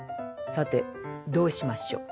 さてどうしましょう。